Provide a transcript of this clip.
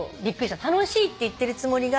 「楽しい」って言ってるつもりが。